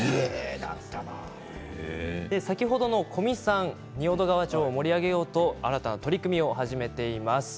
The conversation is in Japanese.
先ほどの古味さん、仁淀川町を盛り上げようと新たな取り組みを始めています。